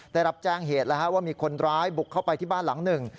ได้รับแจ้งเหตุแล้วว่ามีคนร้ายบุกเข้าไปที่บ้านหลังหนึ่ง